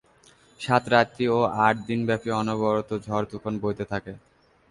সাত রাত্রি ও আট দিন ব্যাপী অনবরত ঝড়-তুফান বইতে থাকে।